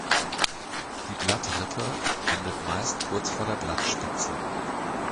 Die Blattrippe endet meist kurz vor der Blattspitze.